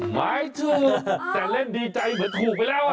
หมายถูกแต่เล่นดีใจเหมือนถูกไปแล้ว